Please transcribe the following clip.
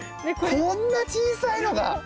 こんな小さいのが！